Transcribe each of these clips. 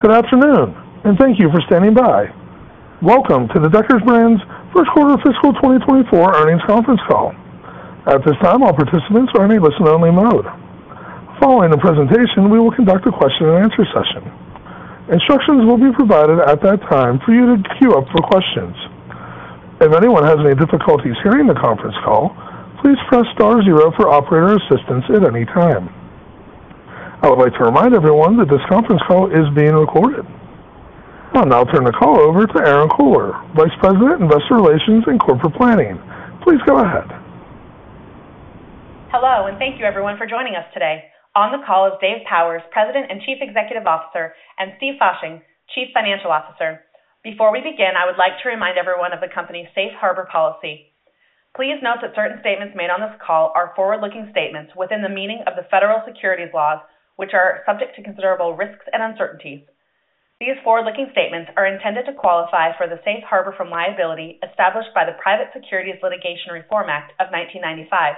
Good afternoon, and thank you for standing by. Welcome to the Deckers Brands first quarter fiscal 2024 earnings conference call. At this time, all participants are in a listen-only mode. Following the presentation, we will conduct a question-and-answer session. Instructions will be provided at that time for you to queue up for questions. If anyone has any difficulties hearing the conference call, please press star zero for operator assistance at any time. I would like to remind everyone that this conference call is being recorded. I'll now turn the call over to Erinn Kohler, Vice President, Investor Relations and Corporate Planning. Please go ahead. Hello, and thank you everyone for joining us today. On the call is Dave Powers, President and Chief Executive Officer, and Steve Fasching, Chief Financial Officer. Before we begin, I would like to remind everyone of the company's Safe Harbor policy. Please note that certain statements made on this call are forward-looking statements within the meaning of the federal securities laws, which are subject to considerable risks and uncertainties. These forward-looking statements are intended to qualify for the safe harbor from liability established by the Private Securities Litigation Reform Act of 1995.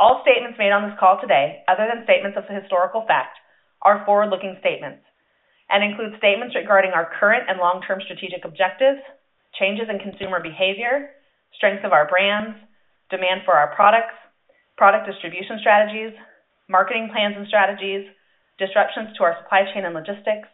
All statements made on this call today, other than statements of historical fact, are forward-looking statements and include statements regarding our current and long-term strategic objectives, changes in consumer behavior, strengths of our brands, demand for our products, product distribution strategies, marketing plans and strategies, disruptions to our supply chain and logistics,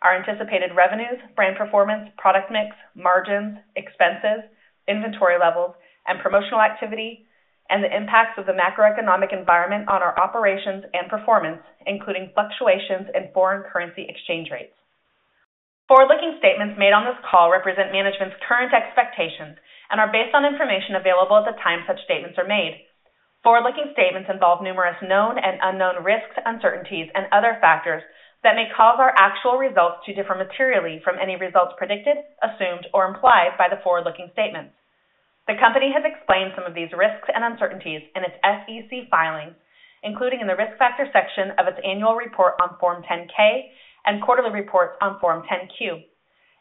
our anticipated revenues, brand performance, product mix, margins, expenses, inventory levels, and promotional activity, and the impacts of the macroeconomic environment on our operations and performance, including fluctuations in foreign currency exchange rates. Forward-looking statements made on this call represent management's current expectations and are based on information available at the time such statements are made. Forward-looking statements involve numerous known and unknown risks, uncertainties, and other factors that may cause our actual results to differ materially from any results predicted, assumed, or implied by the forward-looking statements. The company has explained some of these risks and uncertainties in its SEC filings, including in the Risk Factors section of its annual report on Form 10-K and quarterly reports on Form 10-Q.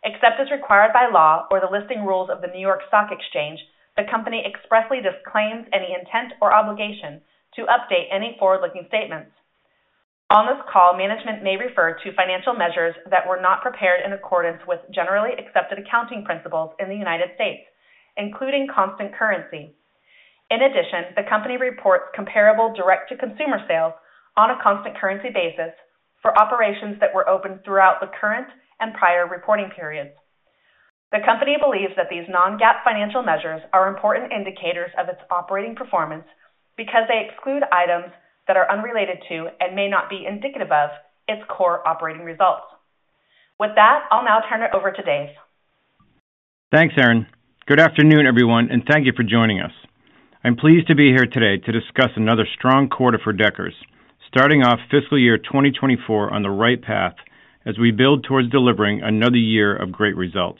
Except as required by law or the listing rules of the New York Stock Exchange, the company expressly disclaims any intent or obligation to update any forward-looking statements. On this call, management may refer to financial measures that were not prepared in accordance with generally accepted accounting principles in the United States, including constant currency. In addition, the company reports comparable direct-to-consumer sales on a constant currency basis for operations that were open throughout the current and prior reporting periods. The company believes that these non-GAAP financial measures are important indicators of its operating performance because they exclude items that are unrelated to, and may not be indicative of, its core operating results. With that, I'll now turn it over to Dave. Thanks, Erin. Good afternoon, everyone, and thank you for joining us. I'm pleased to be here today to discuss another strong quarter for Deckers, starting off fiscal year 2024 on the right path as we build towards delivering another year of great results.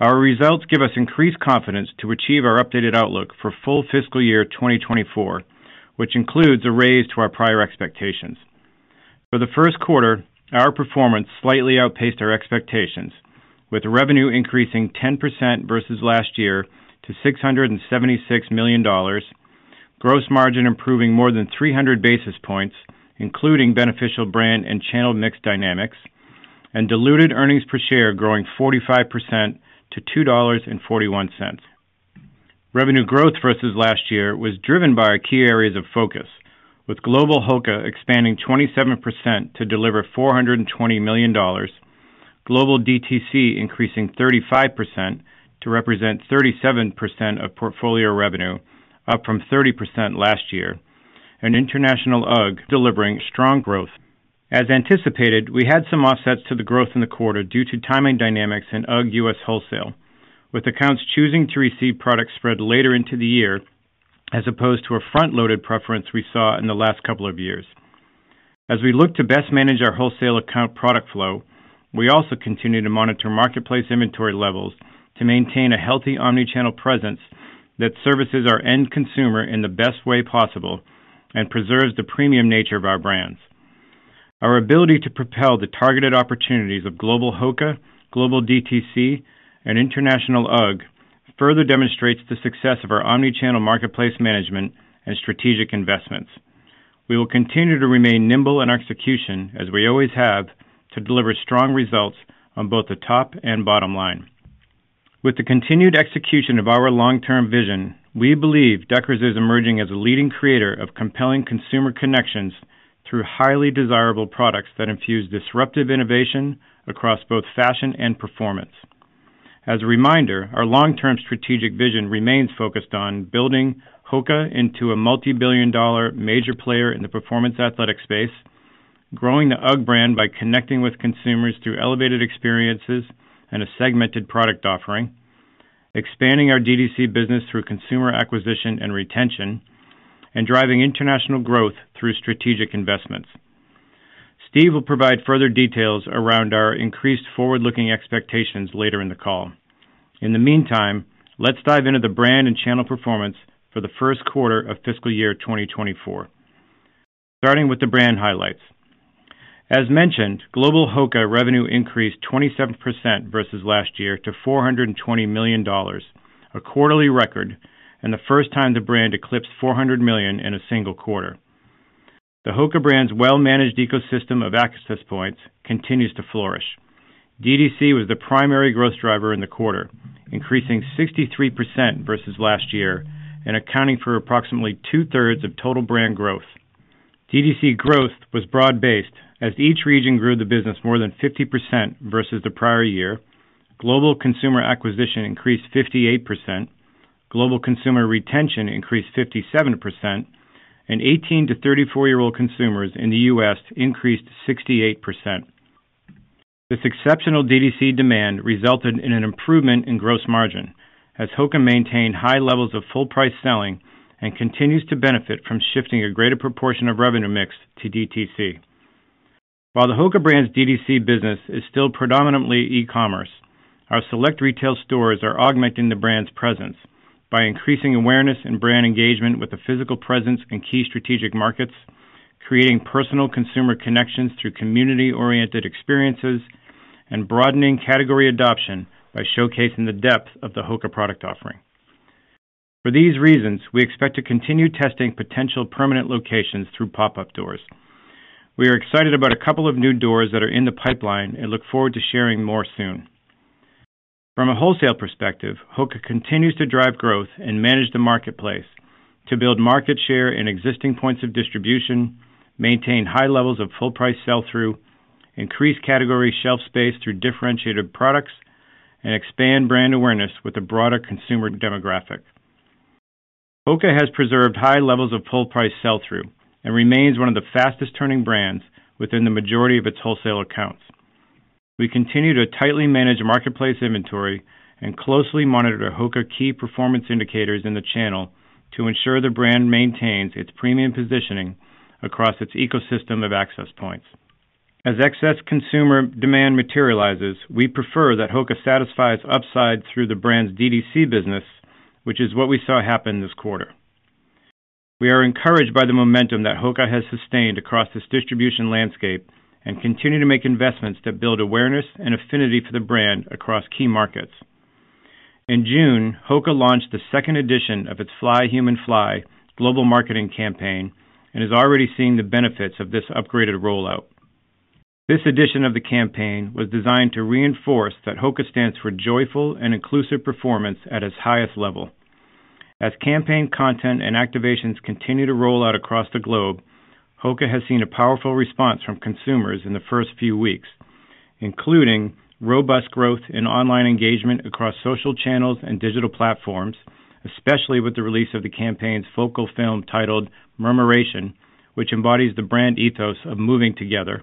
Our results give us increased confidence to achieve our updated outlook for full fiscal year 2024, which includes a raise to our prior expectations. For the first quarter, our performance slightly outpaced our expectations, with revenue increasing 10% versus last year to $676 million, gross margin improving more than 300 basis points, including beneficial brand and channel mix dynamics, and diluted earnings per share growing 45% to $2.41. Revenue growth versus last year was driven by our key areas of focus, with global HOKA expanding 27% to deliver $420 million, global DTC increasing 35% to represent 37% of portfolio revenue, up from 30% last year, and international UGG delivering strong growth. As anticipated, we had some offsets to the growth in the quarter due to timing dynamics in UGG U.S. wholesale, with accounts choosing to receive product spread later into the year, as opposed to a front-loaded preference we saw in the last couple of years. As we look to best manage our wholesale account product flow, we also continue to monitor marketplace inventory levels to maintain a healthy omni-channel presence that services our end consumer in the best way possible and preserves the premium nature of our brands. Our ability to propel the targeted opportunities of global HOKA, global DTC, and international UGG further demonstrates the success of our omni-channel marketplace management and strategic investments. We will continue to remain nimble in execution, as we always have, to deliver strong results on both the top and bottom line. With the continued execution of our long-term vision, we believe Deckers is emerging as a leading creator of compelling consumer connections through highly desirable products that infuse disruptive innovation across both fashion and performance. As a reminder, our long-term strategic vision remains focused on building HOKA into a multi-billion dollar major player in the performance athletic space, growing the UGG brand by connecting with consumers through elevated experiences and a segmented product offering, expanding our DTC business through consumer acquisition and retention, and driving international growth through strategic investments. Steve will provide further details around our increased forward-looking expectations later in the call. In the meantime, let's dive into the brand and channel performance for the first quarter fiscal 2024. Starting with the brand highlights. As mentioned, global HOKA revenue increased 27% versus last year to $420 million, a quarterly record, and the first time the brand eclipsed $400 million in a single quarter. The HOKA brand's well-managed ecosystem of access points continues to flourish. DTC was the primary growth driver in the quarter, increasing 63% versus last year and accounting for approximately two-thirds of total brand growth. DDC growth was broad-based, as each region grew the business more than 50% versus the prior year. Global consumer acquisition increased 58%, global consumer retention increased 57%, and 18- to 34-year-old consumers in the U.S. increased 68%. This exceptional DTC demand resulted in an improvement in gross margin, as HOKA maintained high levels of full price selling and continues to benefit from shifting a greater proportion of revenue mix to DTC. While the HOKA brand's DTC business is still predominantly e-commerce, our select retail stores are augmenting the brand's presence by increasing awareness and brand engagement with a physical presence in key strategic markets, creating personal consumer connections through community-oriented experiences, and broadening category adoption by showcasing the depth of the HOKA product offering. For these reasons, we expect to continue testing potential permanent locations through pop-up doors. We are excited about a couple of new doors that are in the pipeline and look forward to sharing more soon. From a wholesale perspective, HOKA continues to drive growth and manage the marketplace to build market share in existing points of distribution, maintain high levels of full price sell-through, increase category shelf space through differentiated products, and expand brand awareness with a broader consumer demographic. HOKA has preserved high levels of full price sell-through and remains one of the fastest-turning brands within the majority of its wholesale accounts. We continue to tightly manage marketplace inventory and closely monitor our HOKA key performance indicators in the channel to ensure the brand maintains its premium positioning across its ecosystem of access points. As excess consumer demand materializes, we prefer that HOKA satisfies upside through the brand's DTC business, which is what we saw happen this quarter. We are encouraged by the momentum that HOKA has sustained across this distribution landscape and continue to make investments that build awareness and affinity for the brand across key markets. In June, HOKA launched the second edition of its FLY HUMAN FLY global marketing campaign and is already seeing the benefits of this upgraded rollout. This edition of the campaign was designed to reinforce that HOKA stands for joyful and inclusive performance at its highest level. As campaign content and activations continue to roll out across the globe, HOKA has seen a powerful response from consumers in the first few weeks, including robust growth in online engagement across social channels and digital platforms, especially with the release of the campaign's focal film titled Murmuration, which embodies the brand ethos of moving together.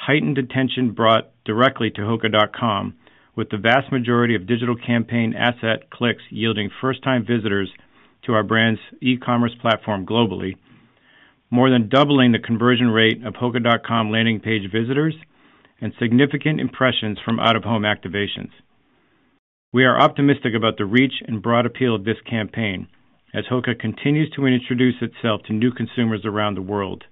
Heightened attention brought directly to HOKA.com, with the vast majority of digital campaign asset clicks yielding first-time visitors to our brand's e-commerce platform globally, more than doubling the conversion rate of HOKA.com landing page visitors, and significant impressions from out-of-home activations. We are optimistic about the reach and broad appeal of this campaign as HOKA continues to introduce itself to new consumers around the world.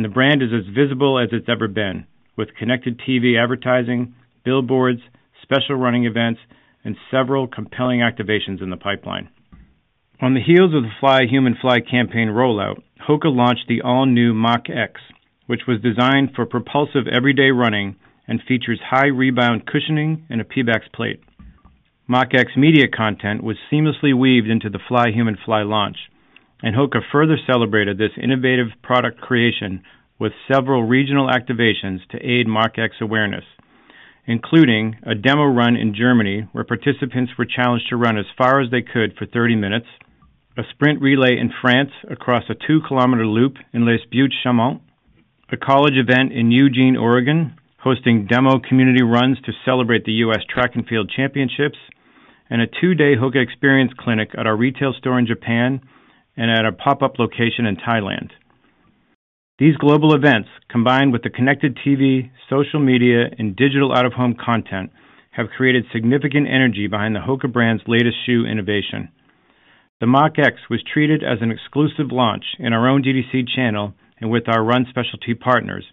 The brand is as visible as it's ever been, with connected TV advertising, billboards, special running events, and several compelling activations in the pipeline. On the heels of the Fly Human Fly campaign rollout, HOKA launched the all-new Mach X, which was designed for propulsive everyday running and features high rebound cushioning and a Pebax plate. Mach X media content was seamlessly weaved into the FLY HUMAN FLY launch, and HOKA further celebrated this innovative product creation with several regional activations to aid Mach X awareness, including a demo run in Germany, where participants were challenged to run as far as they could for 30 minutes, a sprint relay in France across a 2-km loop in des Buttes-Chaumont, a college event in Eugene, Oregon, hosting demo community runs to celebrate the U.S. Track and Field Championships, and a two-day HOKA experience clinic at our retail store in Japan and at a pop-up location in Thailand. These global events, combined with the connected TV, social media, and digital out-of-home content, have created significant energy behind the HOKA brand's latest shoe innovation. The Mach X was treated as an exclusive launch in our own DDC channel and with our run specialty partners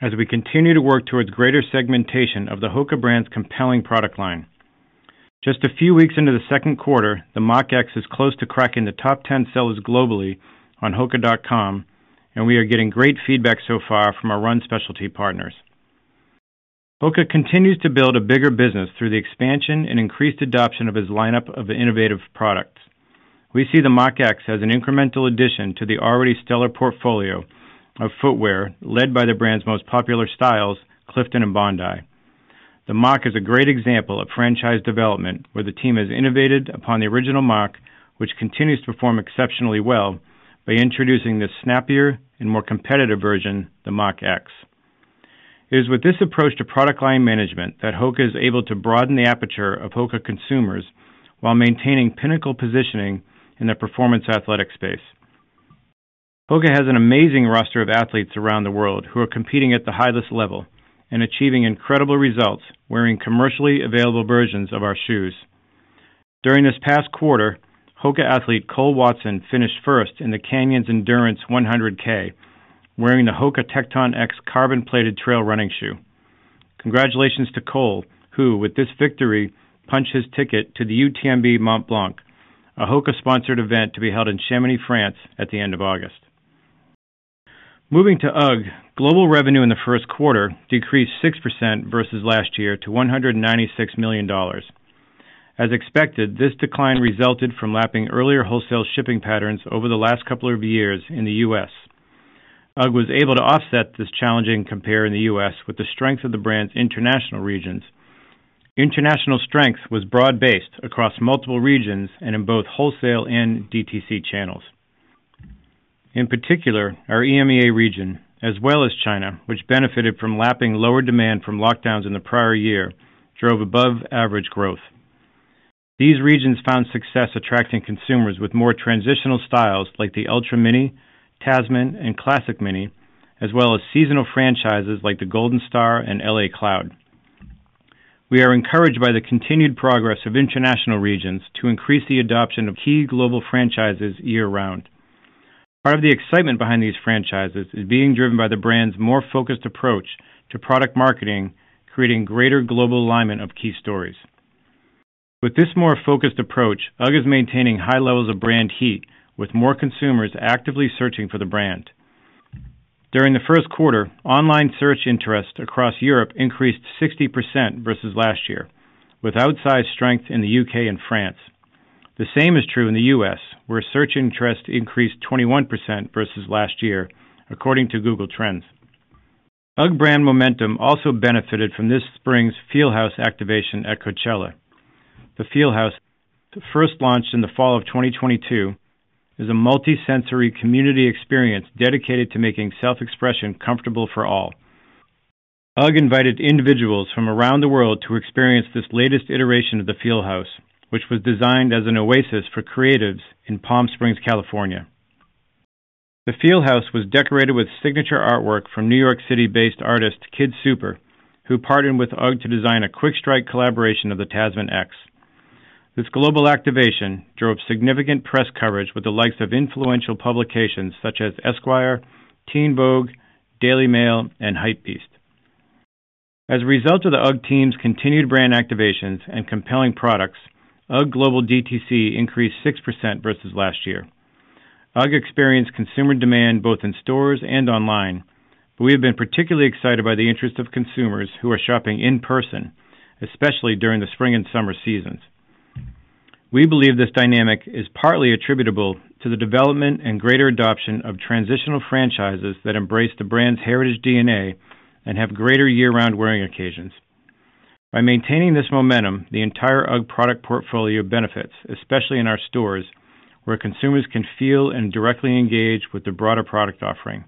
as we continue to work towards greater segmentation of the HOKA brand's compelling product line. Just a few weeks into the second quarter, the Mach X is close to cracking the top 10 sellers globally on hoka.com, and we are getting great feedback so far from our run specialty partners. HOKA continues to build a bigger business through the expansion and increased adoption of its lineup of innovative products. We see the Mach X as an incremental addition to the already stellar portfolio of footwear, led by the brand's most popular styles, Clifton and Bondi. The Mach is a great example of franchise development, where the team has innovated upon the original Mach, which continues to perform exceptionally well by introducing this snappier and more competitive version, the Mach X. It is with this approach to product line management that HOKA is able to broaden the aperture of HOKA consumers while maintaining pinnacle positioning in the performance athletic space. HOKA has an amazing roster of athletes around the world who are competing at the highest level and achieving incredible results wearing commercially available versions of our shoes. During this past quarter, HOKA athlete Cole Watson finished first in the Canyons Endurance 100K, wearing the HOKA Tecton X carbon-plated trail running shoe. Congratulations to Cole, who, with this victory, punched his ticket to the UTMB Mont-Blanc, a HOKA-sponsored event to be held in Chamonix, France, at the end of August. Moving to UGG, global revenue in the first quarter decreased 6% versus last year to $196 million. As expected, this decline resulted from lapping earlier wholesale shipping patterns over the last couple of years in the U.S. UGG was able to offset this challenging compare in the U.S. with the strength of the brand's international regions. International strength was broad-based across multiple regions and in both wholesale and DTC channels. In particular, our EMEA region, as well as China, which benefited from lapping lower demand from lockdowns in the prior year, drove above-average growth. These regions found success attracting consumers with more transitional styles like the Ultra Mini, Tasman, and Classic Mini, as well as seasonal franchises like the Golden Star and L.A. Cloud. We are encouraged by the continued progress of international regions to increase the adoption of key global franchises year-round. Part of the excitement behind these franchises is being driven by the brand's more focused approach to product marketing, creating greater global alignment of key stories. With this more focused approach, UGG is maintaining high levels of brand heat, with more consumers actively searching for the brand. During the first quarter, online search interest across Europe increased 60% versus last year, with outsized strength in the U.K. and France. The same is true in the U.S., where search interest increased 21% versus last year, according to Google Trends. UGG brand momentum also benefited from this spring's Feel House activation at Coachella. The Feel House, first launched in the fall of 2022, is a multisensory community experience dedicated to making self-expression comfortable for all. UGG invited individuals from around the world to experience this latest iteration of the Feel House, which was designed as an oasis for creatives in Palm Springs, California. The Feel House was decorated with signature artwork from New York City-based artist KidSuper, who partnered with UGG to design a quick-strike collaboration of the Tasman X. This global activation drove significant press coverage with the likes of influential publications such as Esquire, Teen Vogue, Daily Mail, and Hypebeast. As a result of the UGG team's continued brand activations and compelling products, UGG global DTC increased 6% versus last year. UGG experienced consumer demand both in stores and online, we have been particularly excited by the interest of consumers who are shopping in person, especially during the spring and summer seasons. We believe this dynamic is partly attributable to the development and greater adoption of transitional franchises that embrace the brand's heritage DNA and have greater year-round wearing occasions. By maintaining this momentum, the entire UGG product portfolio benefits, especially in our stores, where consumers can feel and directly engage with the broader product offering.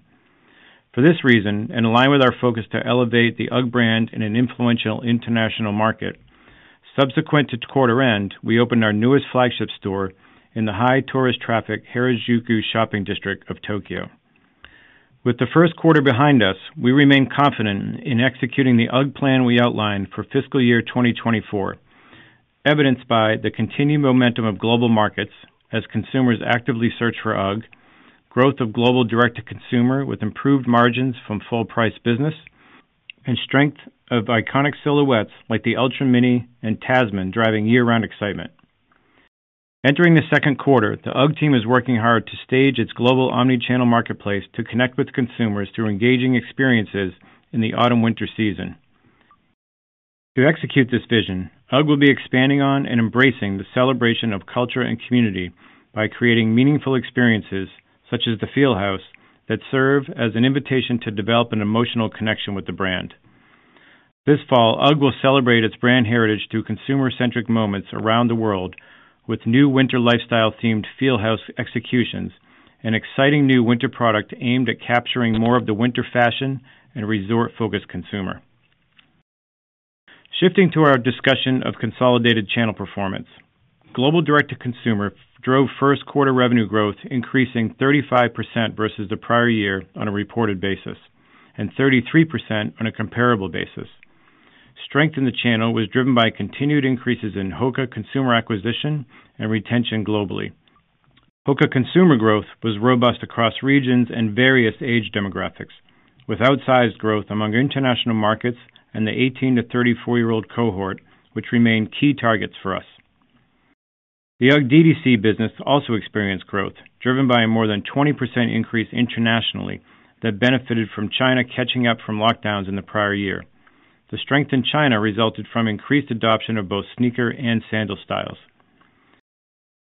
For this reason, and in line with our focus to elevate the UGG brand in an influential international market, subsequent to quarter end, we opened our newest flagship store in the high tourist traffic Harajuku shopping district of Tokyo. With the first quarter behind us, we remain confident in executing the UGG plan we outlined for fiscal year 2024, evidenced by the continued momentum of global markets as consumers actively search for UGG, growth of global direct-to-consumer with improved margins from full-price business, and strength of iconic silhouettes like the Ultra Mini and Tasman, driving year-round excitement. Entering the second quarter, the UGG team is working hard to stage its global omni-channel marketplace to connect with consumers through engaging experiences in the autumn/winter season. To execute this vision, UGG will be expanding on and embracing the celebration of culture and community by creating meaningful experiences, such as the Feel House, that serve as an invitation to develop an emotional connection with the brand. This fall, UGG will celebrate its brand heritage through consumer-centric moments around the world with new winter lifestyle-themed Feel House executions and exciting new winter product aimed at capturing more of the winter fashion and resort-focused consumer. Shifting to our discussion of consolidated channel performance, global direct-to-consumer drove first quarter revenue growth, increasing 35% versus the prior year on a reported basis and 33% on a comparable basis. Strength in the channel was driven by continued increases in HOKA consumer acquisition and retention globally. HOKA consumer growth was robust across regions and various age demographics, with outsized growth among international markets and the 18- to 34-year-old cohort, which remain key targets for us. The UGG DTC business also experienced growth, driven by a more than 20% increase internationally that benefited from China catching up from lockdowns in the prior year. The strength in China resulted from increased adoption of both sneaker and sandal styles.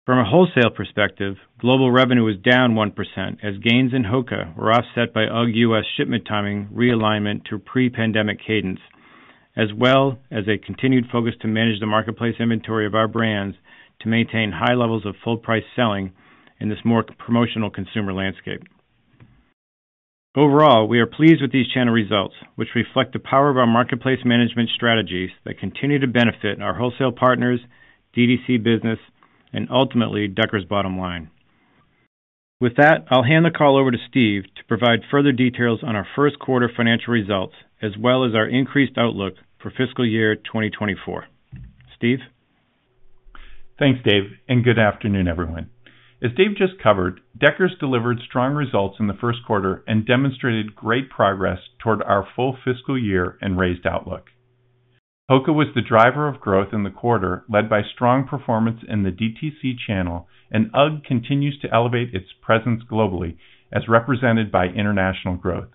From a wholesale perspective, global revenue was down 1%, as gains in HOKA were offset by UGG US shipment timing realignment to pre-pandemic cadence, as well as a continued focus to manage the marketplace inventory of our brands to maintain high levels of full-price selling in this more promotional consumer landscape. Overall, we are pleased with these channel results, which reflect the power of our marketplace management strategies that continue to benefit our wholesale partners, DDC business, and ultimately, Deckers' bottom line. With that, I'll hand the call over to Steve to provide further details on our first quarter financial results, as well as our increased outlook for fiscal year 2024. Steve? Thanks, Dave, and good afternoon, everyone. As Dave just covered, Deckers delivered strong results in the first quarter and demonstrated great progress toward our full fiscal year and raised outlook. HOKA was the driver of growth in the quarter, led by strong performance in the DTC channel, and UGG continues to elevate its presence globally as represented by international growth.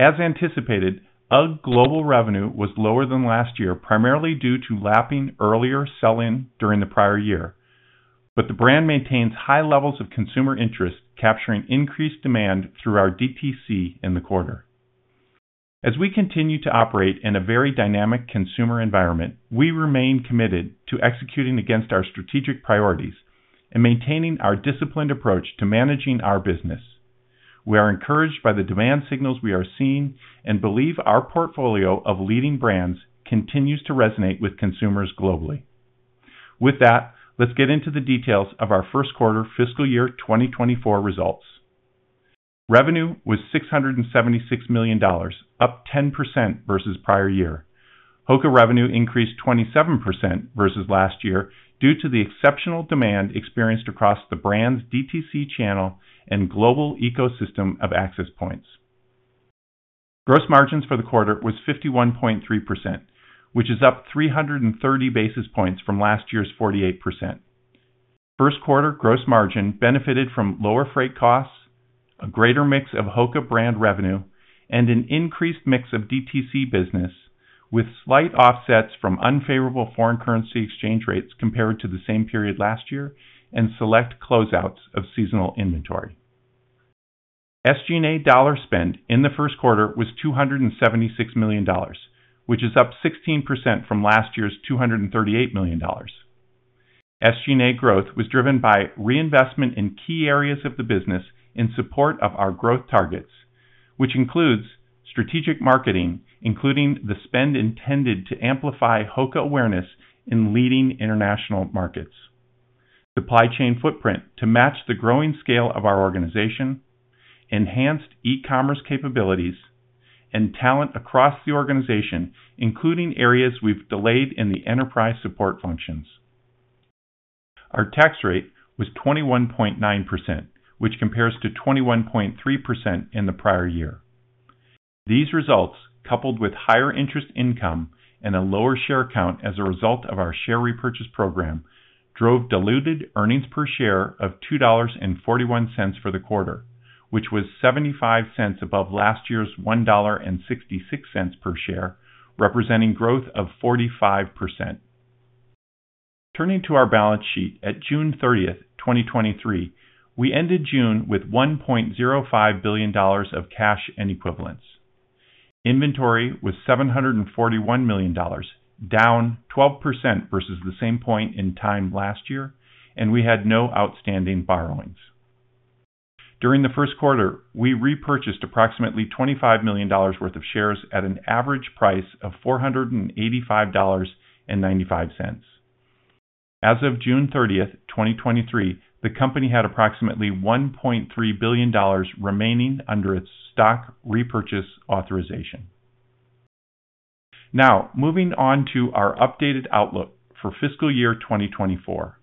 As anticipated, UGG global revenue was lower than last year, primarily due to lapping earlier sell-in during the prior year. The brand maintains high levels of consumer interest, capturing increased demand through our DTC in the quarter. As we continue to operate in a very dynamic consumer environment, we remain committed to executing against our strategic priorities and maintaining our disciplined approach to managing our business. We are encouraged by the demand signals we are seeing and believe our portfolio of leading brands continues to resonate with consumers globally. With that, let's get into the details of our first quarter fiscal 2024 results. Revenue was $676 million, up 10% versus prior year. HOKA revenue increased 27% versus last year due to the exceptional demand experienced across the brand's DTC channel and global ecosystem of access points. Gross margins for the quarter was 51.3%, which is up 330 basis points from last year's 48%. First quarter gross margin benefited from lower freight costs, a greater mix of HOKA brand revenue, and an increased mix of DTC business with slight offsets from unfavorable foreign currency exchange rates compared to the same period last year and select closeouts of seasonal inventory. SG&A dollar spend in the first quarter was $276 million, which is up 16% from last year's $238 million. SG&A growth was driven by reinvestment in key areas of the business in support of our growth targets, which includes strategic marketing, including the spend intended to amplify HOKA awareness in leading international markets. Supply chain footprint to match the growing scale of our organization, enhanced e-commerce capabilities and talent across the organization, including areas we've delayed in the enterprise support functions. Our tax rate was 21.9%, which compares to 21.3% in the prior year. These results, coupled with higher interest income and a lower share count as a result of our share repurchase program, drove diluted earnings per share of $2.41 for the quarter, which was $0.75 above last year's $1.66 per share, representing growth of 45%. Turning to our balance sheet at June 30, 2023, we ended June with $1.05 billion of cash and equivalents. Inventory was $741 million, down 12% versus the same point in time last year, and we had no outstanding borrowings. During the first quarter, we repurchased approximately $25 million worth of shares at an average price of $485.95. As of June 30, 2023, the company had approximately $1.3 billion remaining under its stock repurchase authorization. Now, moving on to our updated outlook for fiscal year 2024.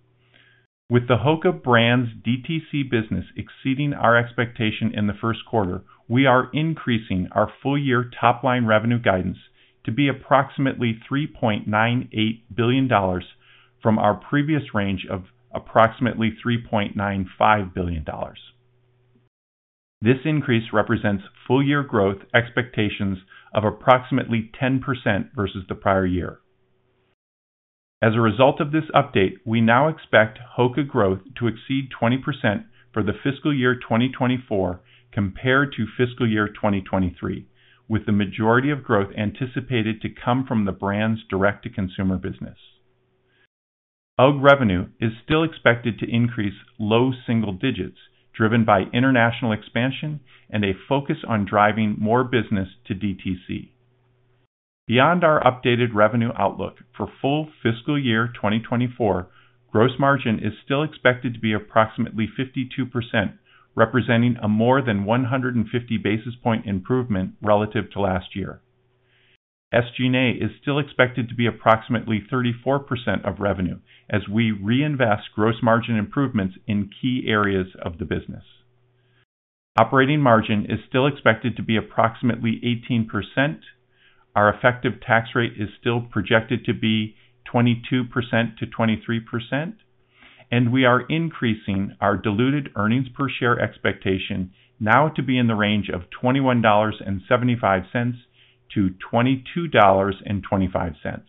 With the HOKA brands DTC business exceeding our expectation in the first quarter, we are increasing our full year top line revenue guidance to be approximately $3.98 billion from our previous range of approximately $3.95 billion. This increase represents full year growth expectations of approximately 10% versus the prior year. As a result of this update, we now expect HOKA growth to exceed 20% for the fiscal year 2024 compared to fiscal year 2023, with the majority of growth anticipated to come from the brand's direct-to-consumer business. UGG revenue is still expected to increase low single digits, driven by international expansion and a focus on driving more business to DTC. Beyond our updated revenue outlook for full fiscal year 2024, gross margin is still expected to be approximately 52%, representing a more than 150 basis point improvement relative to last year. SG&A is still expected to be approximately 34% of revenue as we reinvest gross margin improvements in key areas of the business. Operating margin is still expected to be approximately 18%. Our effective tax rate is still projected to be 22%-23%, and we are increasing our diluted earnings per share expectation now to be in the range of $21.75-$22.25.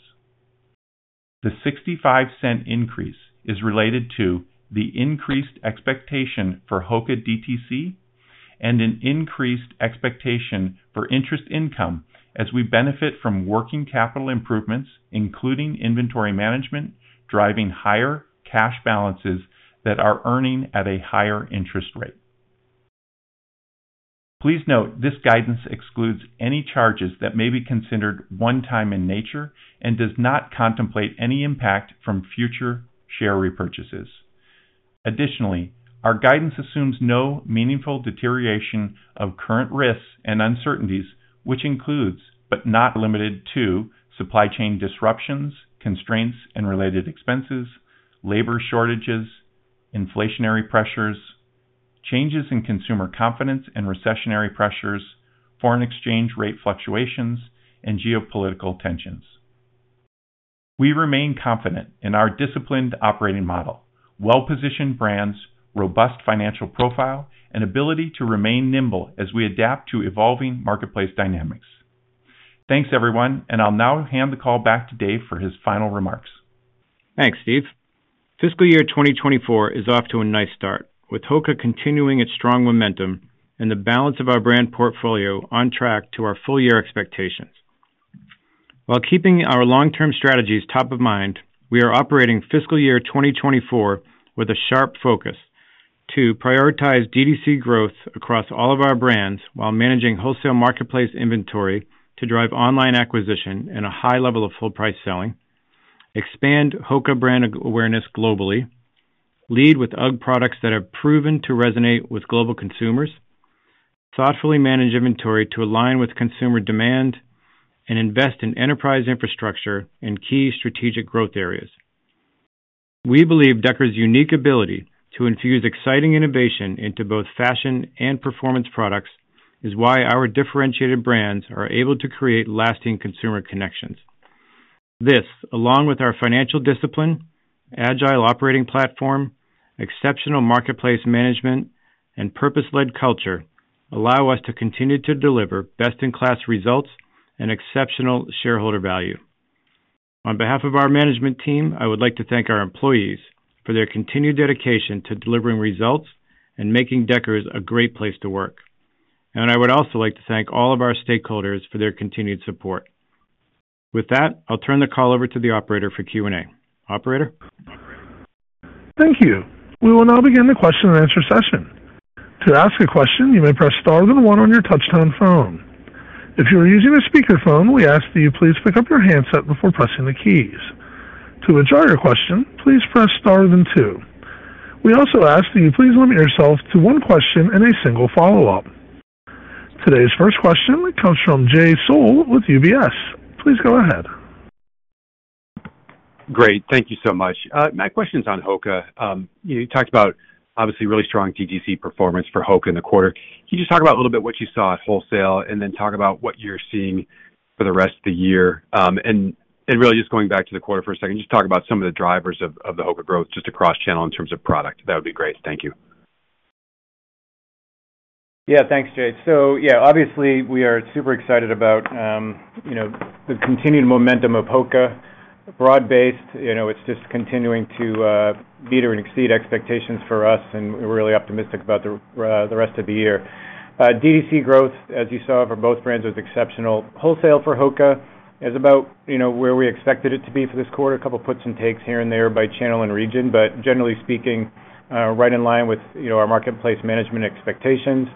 The $0.65 increase is related to the increased expectation for HOKA DTC and an increased expectation for interest income as we benefit from working capital improvements, including inventory management, driving higher cash balances that are earning at a higher interest rate. Please note, this guidance excludes any charges that may be considered one-time in nature and does not contemplate any impact from future share repurchases. Additionally, our guidance assumes no meaningful deterioration of current risks and uncertainties, which includes, but not limited to, supply chain disruptions, constraints and related expenses, labor shortages, inflationary pressures, changes in consumer confidence and recessionary pressures, foreign exchange rate fluctuations, and geopolitical tensions. We remain confident in our disciplined operating model, well-positioned brands, robust financial profile, and ability to remain nimble as we adapt to evolving marketplace dynamics. Thanks, everyone, and I'll now hand the call back to Dave for his final remarks. Thanks, Steve. Fiscal year 2024 is off to a nice start, with HOKA continuing its strong momentum and the balance of our brand portfolio on track to our full year expectations. While keeping our long-term strategies top of mind, we are operating fiscal year 2024 with a sharp focus to prioritize DTC growth across all of our brands while managing wholesale marketplace inventory to drive online acquisition and a high level of full price selling, expand HOKA brand awareness globally, lead with UGG products that have proven to resonate with global consumers, thoughtfully manage inventory to align with consumer demand, and invest in enterprise infrastructure in key strategic growth areas. We believe Deckers' unique ability to infuse exciting innovation into both fashion and performance products is why our differentiated brands are able to create lasting consumer connections. This, along with our financial discipline, agile operating platform, exceptional marketplace management, and purpose-led culture, allow us to continue to deliver best-in-class results and exceptional shareholder value. On behalf of our management team, I would like to thank our employees for their continued dedication to delivering results and making Deckers a great place to work. I would also like to thank all of our stakeholders for their continued support. With that, I'll turn the call over to the operator for Q&A. Operator? Thank you. We will now begin the question-and-answer session. To ask a question, you may press star then one on your touch-tone phone. If you are using a speakerphone, we ask that you please pick up your handset before pressing the keys. To withdraw your question, please press star then two. We also ask that you please limit yourself to one question and a single follow-up. Today's first question comes from Jay Sole with UBS. Please go ahead. Great. Thank you so much. My question's on HOKA. You talked about obviously really strong DTC performance for HOKA in the quarter. Can you just talk about a little bit what you saw at wholesale, and then talk about what you're seeing for the rest of the year? Just going back to the quarter for a second, just talk about some of the drivers of the HOKA growth, just across channel in terms of product. That would be great. Thank you. Yeah, thanks, Jay. Yeah, obviously, we are super excited about, you know, the continued momentum of HOKA. Broad-based, you know, it's just continuing to meet or exceed expectations for us, and we're really optimistic about the rest of the year. DTC growth, as you saw, for both brands, was exceptional. Wholesale for HOKA is about, you know, where we expected it to be for this quarter. A couple of puts and takes here and there by channel and region, but generally speaking, right in line with, you know, our marketplace management expectations.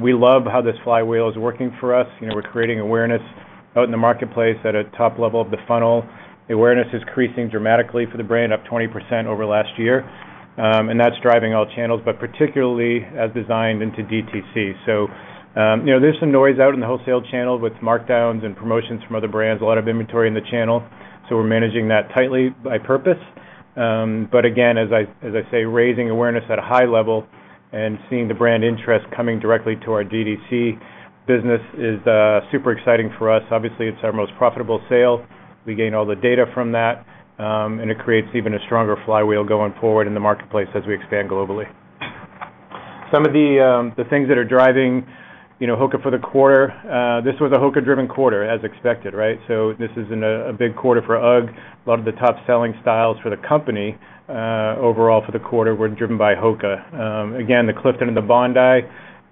We love how this flywheel is working for us. You know, we're creating awareness out in the marketplace at a top level of the funnel. The awareness is increasing dramatically for the brand, up 20% over last year. That's driving all channels, but particularly as designed into DTC. You know, there's some noise out in the wholesale channel with markdowns and promotions from other brands, a lot of inventory in the channel, so we're managing that tightly by purpose. Again, as I, as I say, raising awareness at a high level and seeing the brand interest coming directly to our DTC business is super exciting for us. Obviously, it's our most profitable sale. We gain all the data from that, and it creates even a stronger flywheel going forward in the marketplace as we expand globally. Some of the things that are driving, you know, HOKA for the quarter, this was a HOKA-driven quarter, as expected, right? This isn't a big quarter for UGG. A lot of the top-selling styles for the company, overall for the quarter were driven by HOKA. Again, the Clifton and the Bondi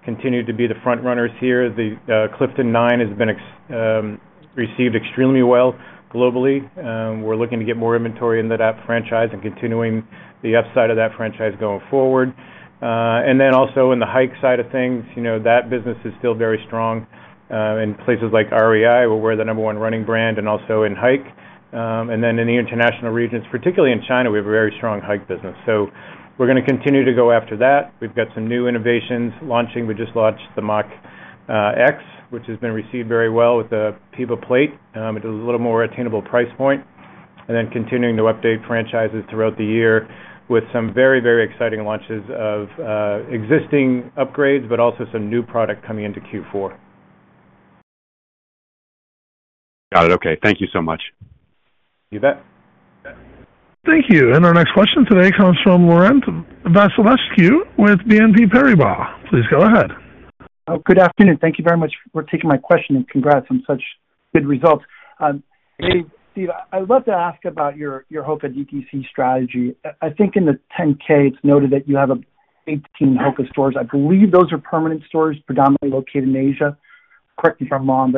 continued to be the front runners here. The Clifton 9 has been received extremely well globally. We're looking to get more inventory into that franchise and continuing the upside of that franchise going forward. Then also in the hike side of things, you know, that business is still very strong, in places like REI, where we're the number one running brand and also in hike. Then in the international regions, particularly in China, we have a very strong hike business. We're gonna continue to go after that. We've got some new innovations launching. We just launched the Mach X, which has been received very well with the Pebax plate. It is a little more attainable price point, and then continuing to update franchises throughout the year with some very, very exciting launches of existing upgrades, but also some new product coming into Q4. Got it. Okay. Thank you so much. You bet. Thank you. Our next question today comes from Laurent Vasilescu with BNP Paribas. Please go ahead. Good afternoon. Thank you very much for taking my question, congrats on such good results. Steve, I'd love to ask about your HOKA DTC strategy. I think in the 10-K, it's noted that you have 18 HOKA stores. I believe those are permanent stores, predominantly located in Asia. Correct me if I'm wrong,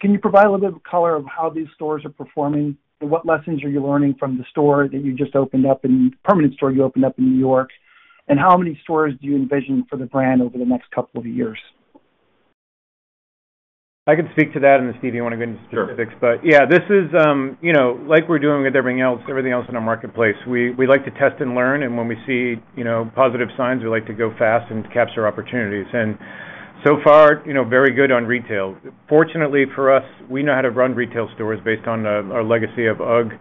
can you provide a little bit of color of how these stores are performing? What lessons are you learning from the store that you just opened up in permanent store you opened up in New York? How many stores do you envision for the brand over the next couple of years? I can speak to that, and Steve, you want to go into specifics? Sure. Yeah, this is, you know, like we're doing with everything else, everything else in our marketplace. We like to test and learn, and when we see, you know, positive signs, we like to go fast and capture opportunities. So far, you know, very good on retail. Fortunately for us, we know how to run retail stores based on, our legacy of UGG,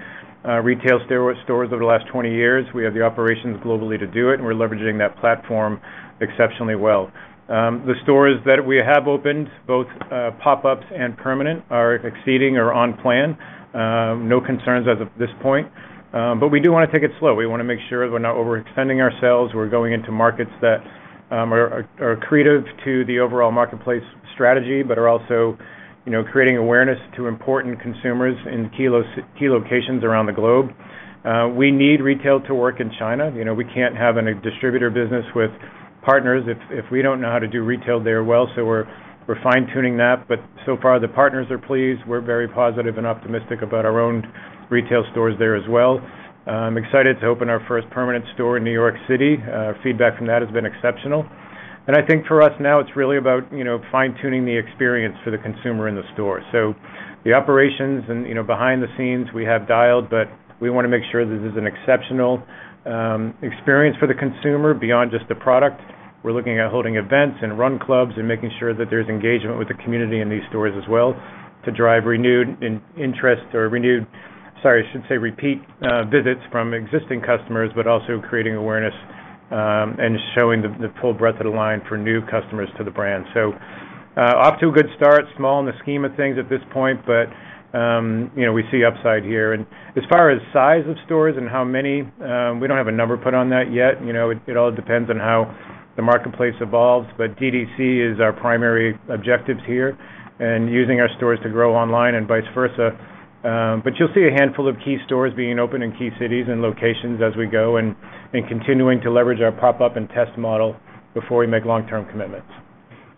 retail store, stores over the last 20 years. We have the operations globally to do it, and we're leveraging that platform exceptionally well. The stores that we have opened, both, pop-ups and permanent, are exceeding or on plan. No concerns as of this point, but we do wanna take it slow. We wanna make sure that we're not overextending ourselves. We're going into markets that, are, are accretive to the overall marketplace strategy, but are also, you know, creating awareness to important consumers in key locations around the globe. We need retail to work in China. You know, we can't have any distributor business with partners if, if we don't know how to do retail there well, so we're, we're fine-tuning that. So far, the partners are pleased. We're very positive and optimistic about our own retail stores there as well. I'm excited to open our first permanent store in New York City. Feedback from that has been exceptional. I think for us now, it's really about, you know, fine-tuning the experience for the consumer in the store. The operations and, you know, behind the scenes, we have dialed, but we wanna make sure this is an exceptional experience for the consumer beyond just the product. We're looking at holding events and run clubs and making sure that there's engagement with the community in these stores as well, to drive renewed in-interest or renewed. Sorry, I should say, repeat visits from existing customers, but also creating awareness and showing the, the full breadth of the line for new customers to the brand. Off to a good start, small in the scheme of things at this point, but, you know, we see upside here. As far as size of stores and how many, we don't have a number put on that yet. You know, it, it all depends on how the marketplace evolves, but DTC is our primary objectives here, and using our stores to grow online and vice versa. You'll see a handful of key stores being opened in key cities and locations as we go, and, and continuing to leverage our pop-up and test model before we make long-term commitments.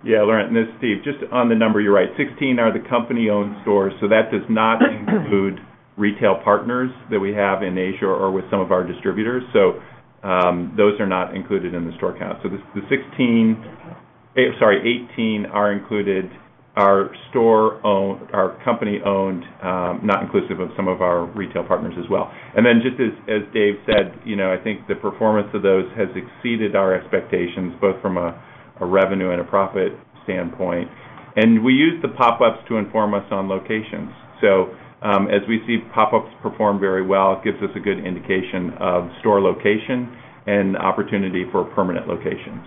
Yeah, Laurent, this is Steve. Just on the number, you're right. Sixteen are the company-owned stores, so that does not include retail partners that we have in Asia or with some of our distributors. Those are not included in the store count. The, the 16, sorry, 18 are included are store-owned, are company-owned, not inclusive of some of our retail partners as well. Then, just as, as Dave said, you know, I think the performance of those has exceeded our expectations, both from a, a revenue and a profit standpoint. We use the pop-ups to inform us on locations. As we see pop-ups perform very well, it gives us a good indication of store location and opportunity for a permanent location.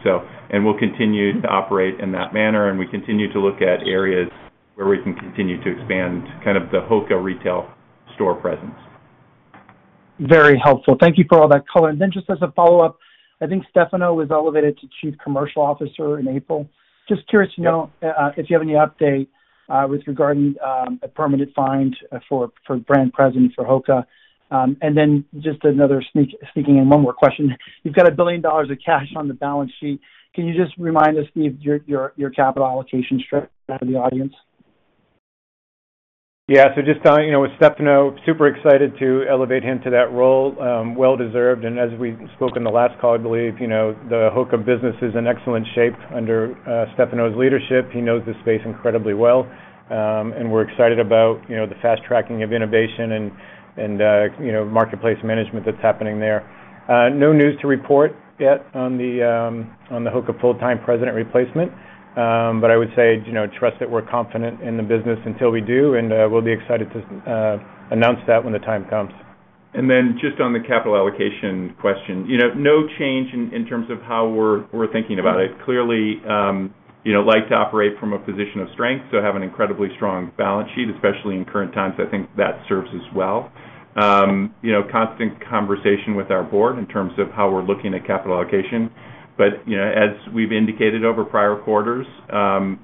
We'll continue to operate in that manner, and we continue to look at areas where we can continue to expand kind of the HOKA retail store presence. Very helpful. Thank you for all that color. Then just as a follow-up, I think Stefano was elevated to Chief Commercial Officer in April. Just curious to know if you have any update with regarding a permanent find for Brand President for HOKA? Then just another sneaking in one more question. You've got $1 billion of cash on the balance sheet. Can you just remind us, Steve, your capital allocation strategy for the audience? Yeah, just telling, you know, with Stefano, super excited to elevate him to that role, well-deserved. As we spoke in the last call, I believe, you know, the HOKA business is in excellent shape under Stefano's leadership. He knows the space incredibly well, we're excited about, you know, the fast tracking of innovation and, and, you know, marketplace management that's happening there. No news to report yet on the on the HOKA full-time president replacement. I would say, you know, trust that we're confident in the business until we do, and we'll be excited to announce that when the time comes. Then just on the capital allocation question. You know, no change in, in terms of how we're, we're thinking about it. Clearly, you know, like to operate from a position of strength, so have an incredibly strong balance sheet, especially in current times. I think that serves us well. You know, constant conversation with our board in terms of how we're looking at capital allocation. You know, as we've indicated over prior quarters,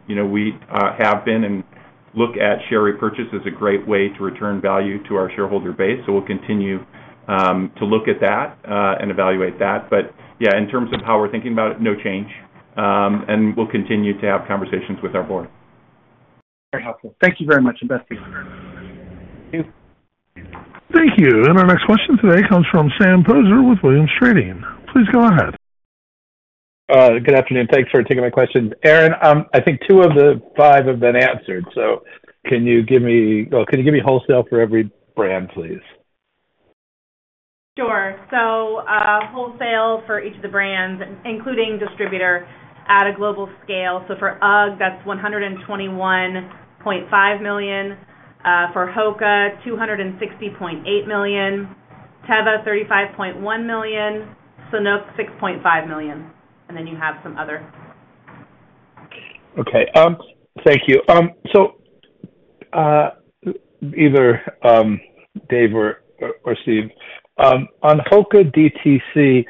you know, we have been and look at share repurchase as a great way to return value to our shareholder base. We'll continue to look at that and evaluate that. Yeah, in terms of how we're thinking about it, no change. We'll continue to have conversations with our board. Very helpful. Thank you very much, and best wishes. Thank you. Thank you. Our next question today comes from Sam Poser with Williams Trading. Please go ahead. Good afternoon. Thanks for taking my questions. Erinn, I think two of the five have been answered. Can you give me... Well, can you give me wholesale for every brand, please? Sure. Wholesale for each of the brands, including distributor at a global scale. For UGG, that's $121.5 million; for HOKA, $260.8 million; Teva, $35.1 million; Sanuk, $6.5 million. Then you have some other. Okay, thank you. Either Dave or Steve, on HOKA DTC,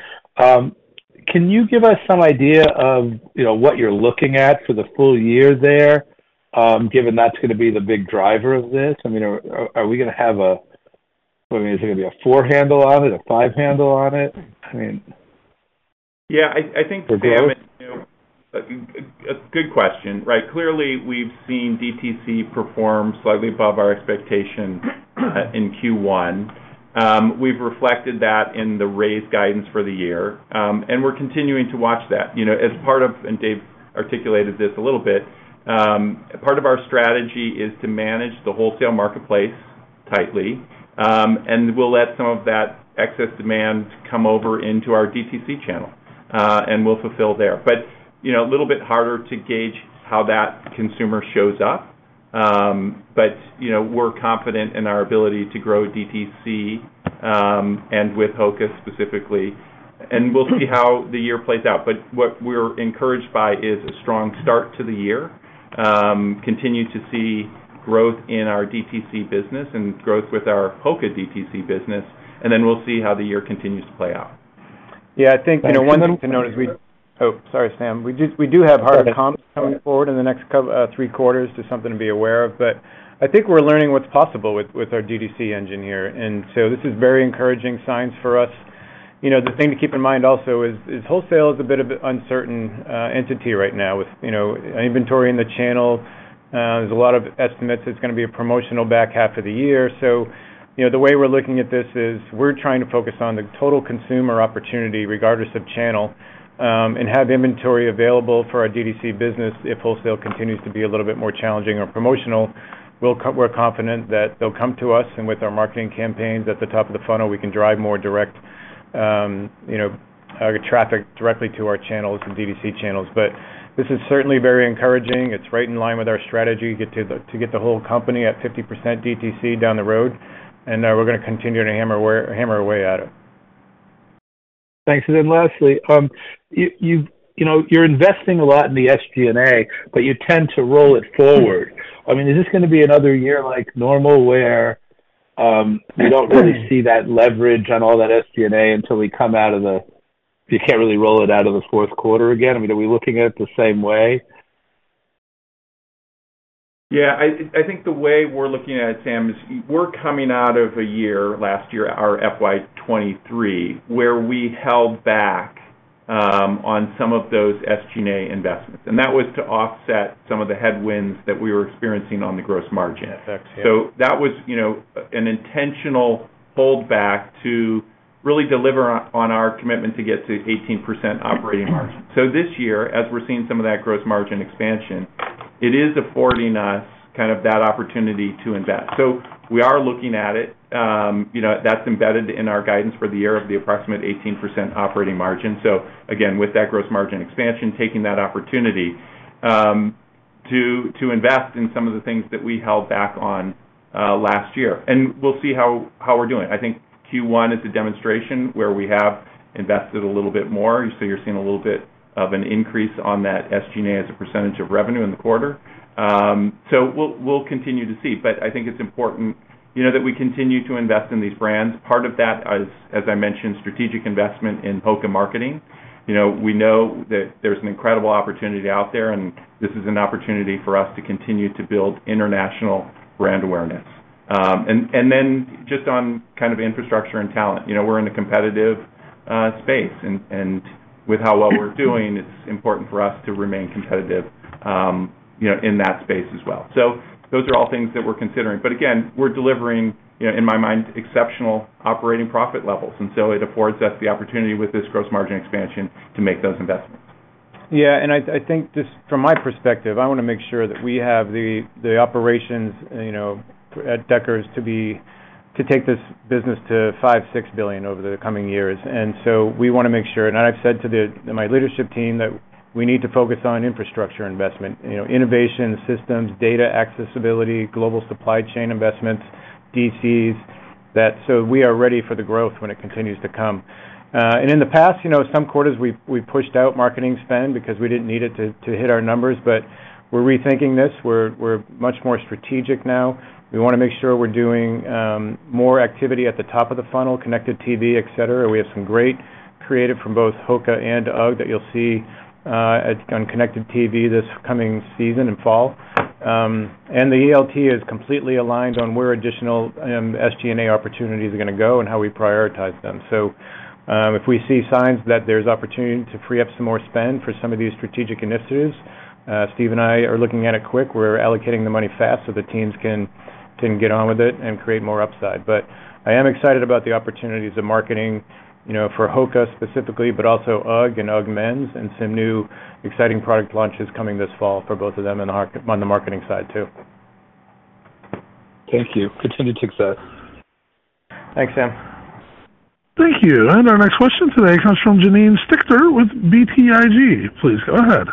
can you give us some idea of, you know, what you're looking at for the full year there, given that's gonna be the big driver of this? I mean, are we gonna have a, I mean, is it gonna be a four handle on it, a five handle on it? I mean... Yeah, I think, Sam- For growth. Good question. Right. Clearly, we've seen DTC perform slightly above our expectation in Q1. We've reflected that in the raised guidance for the year, and we're continuing to watch that. You know, as part of, and Dave articulated this a little bit, part of our strategy is to manage the wholesale marketplace.... tightly, and we'll let some of that excess demand come over into our DTC channel, and we'll fulfill there. You know, a little bit harder to gauge how that consumer shows up. But, you know, we're confident in our ability to grow DTC, and with HOKA specifically, and we'll see how the year plays out. What we're encouraged by is a strong start to the year, continue to see growth in our DTC business and growth with our HOKA DTC business, and then we'll see how the year continues to play out. Yeah, I think one thing to note is Oh, sorry, Sam. We do, we do have hard comps coming forward in the next two, three quarters to something to be aware of. I think we're learning what's possible with, with our DTC engine here. This is very encouraging signs for us. You know, the thing to keep in mind also is, is wholesale is a bit of an uncertain entity right now with, you know, inventory in the channel. There's a lot of estimates it's gonna be a promotional back half of the year. You know, the way we're looking at this is, we're trying to focus on the total consumer opportunity, regardless of channel, and have inventory available for our DTC business. If wholesale continues to be a little bit more challenging or promotional, we're confident that they'll come to us, and with our marketing campaigns at the top of the funnel, we can drive more direct, you know, traffic directly to our channels and DTC channels. This is certainly very encouraging. It's right in line with our strategy, to get the whole company at 50% DTC down the road. We're gonna continue to hammer away at it. Thanks. Then lastly, you've you know, you're investing a lot in the SG&A, but you tend to roll it forward. I mean, is this gonna be another year like normal, where we don't really see that leverage on all that SG&A until we come out of the... You can't really roll it out of the fourth quarter again? I mean, are we looking at it the same way? Yeah, I think the way we're looking at it, Sam, is we're coming out of a year, last year, our FY 2023, where we held back, on some of those SG&A investments, and that was to offset some of the headwinds that we were experiencing on the gross margin. Effects, yeah. That was, you know, an intentional holdback to really deliver on, on our commitment to get to 18% operating margin. This year, as we're seeing some of that gross margin expansion, it is affording us kind of that opportunity to invest. We are looking at it. You know, that's embedded in our guidance for the year of the approximate 18% operating margin. Again, with that gross margin expansion, taking that opportunity, to, to invest in some of the things that we held back on, last year. We'll see how, how we're doing. I think Q1 is a demonstration where we have invested a little bit more, so you're seeing a little bit of an increase on that SG&A as a percentage of revenue in the quarter. We'll, we'll continue to see. I think it's important, you know, that we continue to invest in these brands. Part of that is, as I mentioned, strategic investment in HOKA marketing. You know, we know that there's an incredible opportunity out there, and this is an opportunity for us to continue to build international brand awareness. And, and then just on kind of infrastructure and talent, you know, we're in a competitive space, and, and with how well we're doing, it's important for us to remain competitive, you know, in that space as well. Those are all things that we're considering. Again, we're delivering in my mind, exceptional operating profit levels, and so it affords us the opportunity with this gross margin expansion to make those investments. Yeah, I, I think just from my perspective, I wanna make sure that we have the, the operations, you know, at Deckers to take this business to $5 billion-$6 billion over the coming years. So we wanna make sure, and I've said to my leadership team, that we need to focus on infrastructure investment, you know, innovation systems, data accessibility, global supply chain investments, DCs, that so we are ready for the growth when it continues to come. In the past, you know, some quarters we've, we've pushed out marketing spend because we didn't need it to, to hit our numbers. We're rethinking this. We're, we're much more strategic now. We wanna make sure we're doing more activity at the top of the funnel, connected TV, et cetera. We have some great creative from both HOKA and UGG that you'll see, on connected TV this coming season in fall. The ELT is completely aligned on where additional, SG&A opportunities are gonna go and how we prioritize them. If we see signs that there's opportunity to free up some more spend for some of these strategic initiatives, Steve and I are looking at it quick. We're allocating the money fast so the teams can, can get on with it and create more upside. I am excited about the opportunities of marketing, you know, for HOKA specifically, but also UGG and UGG Men's, and some new exciting product launches coming this fall for both of them on the marketing side, too. Thank you. Continue to success. Thanks, Sam. Thank you. Our next question today comes from Janine Stichter with BTIG. Please, go ahead.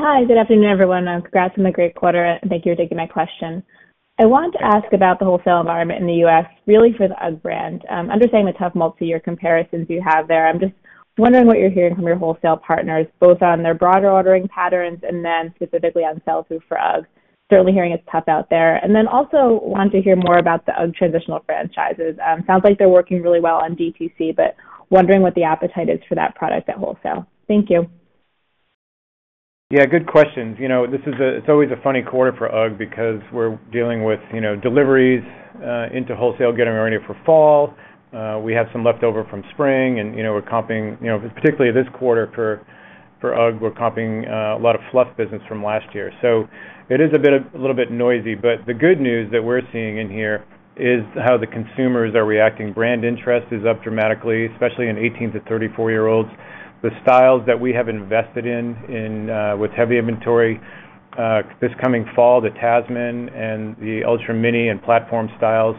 Hi, good afternoon, everyone. Congrats on the great quarter, thank you for taking my question. I wanted to ask about the wholesale environment in the U.S., really for the UGG brand. Understanding the tough multi-year comparisons you have there, I'm just wondering what you're hearing from your wholesale partners, both on their broader ordering patterns and then specifically on sell-through for UGG. Certainly hearing it's tough out there. Then also want to hear more about the UGG transitional franchises. Sounds like they're working really well on DTC, but wondering what the appetite is for that product at wholesale. Thank you. Yeah, good questions. You know, this is it's always a funny quarter for UGG because we're dealing with, you know, deliveries, into wholesale, getting ready for fall. We have some leftover from spring, and, you know, we're comping. You know, particularly this quarter for, for UGG, we're comping, a lot of fluff business from last year. It is a bit, a little bit noisy, but the good news that we're seeing in here is how the consumers are reacting. Brand interest is up dramatically, especially in 18- to 34-year-olds. The styles that we have invested in, in, with heavy inventory, this coming fall, the Tasman and the Ultra Mini and platform styles.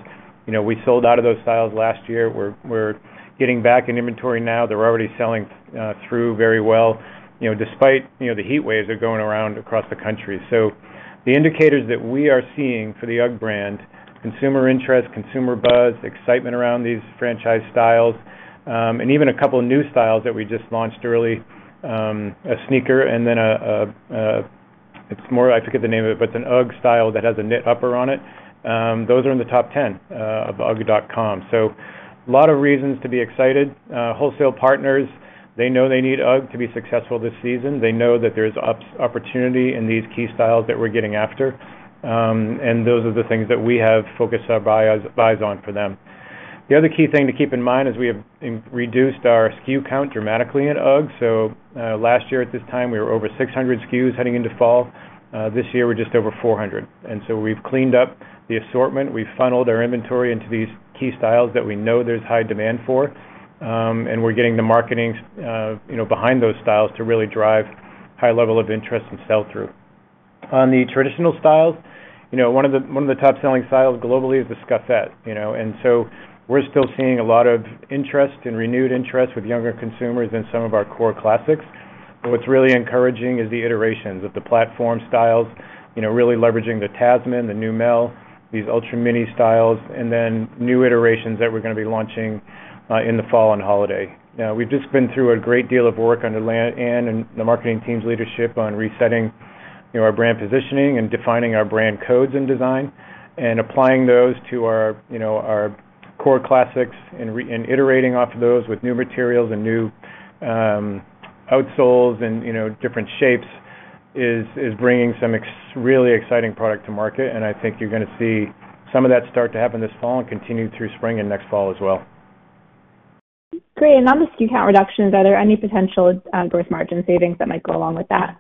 You know, we sold out of those styles last year. We're, we're getting back in inventory now. They're already selling through very well, you know, despite, you know, the heat waves that are going around across the country. The indicators that we are seeing for the UGG brand, consumer interest, consumer buzz, excitement around these franchise styles, and even a couple of new styles that we just launched early, a sneaker and then an UGG style that has a knit upper on it. Those are in the top 10 of ugg.com. A lot of reasons to be excited. Wholesale partners, they know they need UGG to be successful this season. They know that there's opportunity in these key styles that we're getting after, and those are the things that we have focused our eyes on for them. The other key thing to keep in mind is we have reduced our SKU count dramatically at UGG. Last year, at this time, we were over 600 SKUs heading into fall. This year, we're just over 400, we've cleaned up the assortment. We've funneled our inventory into these key styles that we know there's high demand for, and we're getting the marketing, you know, behind those styles to really drive high level of interest and sell-through. On the traditional styles, you know, one of the, one of the top-selling styles globally is the Scuffette, you know, we're still seeing a lot of interest and renewed interest with younger consumers in some of our core classics. What's really encouraging is the iterations of the platform styles, you know, really leveraging the Tasman, the Lowmel, these Ultra Mini styles, and then new iterations that we're gonna be launching in the fall and holiday. We've just been through a great deal of work under Anne and the marketing team's leadership on resetting, you know, our brand positioning and defining our brand codes in design. And applying those to our, you know, our core classics and iterating off of those with new materials and new outsoles and, you know, different shapes, is bringing some really exciting product to market, and I think you're gonna see some of that start to happen this fall and continue through spring and next fall as well. Great. On the SKU count reductions, are there any potential, gross margin savings that might go along with that?